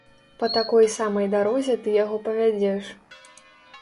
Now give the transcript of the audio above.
Па такой самай дарозе ты яго павядзеш.